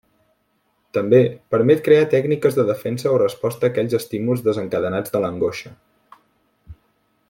També, permet crear tècniques de defensa o resposta aquells estímuls desencadenants de l'angoixa.